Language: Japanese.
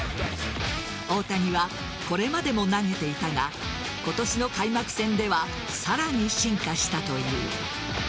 大谷は、これまでも投げていたが今年の開幕戦ではさらに進化したという。